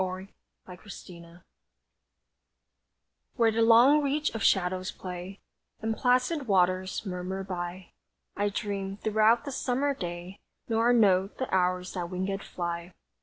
WHERE THE SHADOWS PLAY Where the long reach of shadows play, And placid waters murmur by I dream throughout the summer day Nor note the hours that wingéd fly.